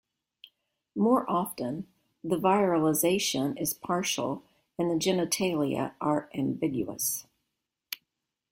More often, the virilization is partial and the genitalia are ambiguous.